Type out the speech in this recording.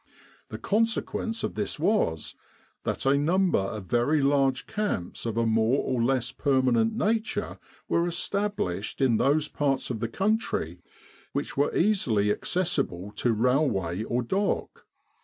The consequence of this was that a number of very large camps of a more or less permanent nature were established in those parts of the country which were easily accessible to rail way or dock.